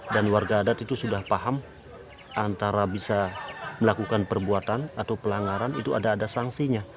dan warga adat itu sudah paham antara bisa melakukan perbuatan atau pelanggaran itu ada ada sangsinya